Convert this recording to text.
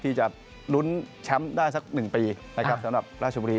ที่จะลุ้นแชมป์ได้สัก๑ปีนะครับสำหรับราชบุรี